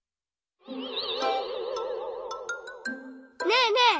ねえねえ